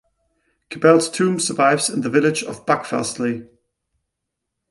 Cabell's tomb survives in the village of Buckfastleigh.